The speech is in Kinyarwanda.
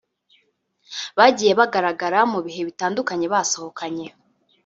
Bagiye bagaragara mu bihe bitandukanye basohokanye